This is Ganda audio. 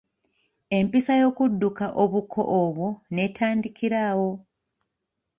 Empisa y'okudduka obuko obwo n'etandikira awo.